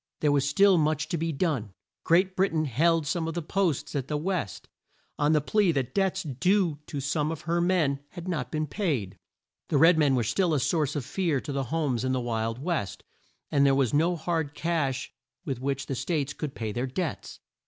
There was still much to be done. Great Brit ain held some of the posts at the West, on the plea that debts due to some of her men had not been paid; the red men were still a source of fear to the homes in the Wild West; and there was no hard cash with which the States could pay their debts.